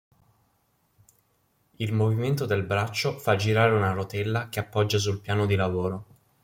Il movimento del braccio fa girare una rotella che appoggia sul piano di lavoro.